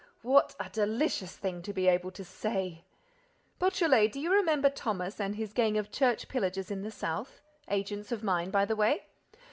What a delicious thing to be able to say!—Beautrelet, do you remember Thomas and his gang of church pillagers in the South—agents of mine, by the way?